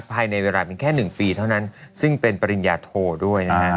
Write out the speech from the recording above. ภายในเวลาเพียงแค่๑ปีเท่านั้นซึ่งเป็นปริญญาโทด้วยนะฮะ